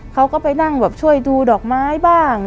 เขาก็ไปนั่งแบบช่วยดูดอกไม้บ้าง